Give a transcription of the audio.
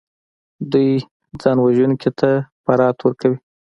دوی ځانوژونکي ته برائت ورکوي